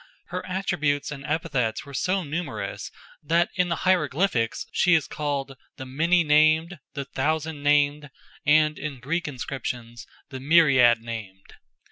Her attributes and epithets were so numerous that in the hieroglyphics she is called "the many named," "the thousand named," and in Greek inscriptions "the myriad named."